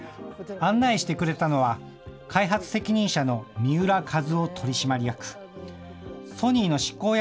案内してくれたのは、開発責任者の三浦和夫取締役。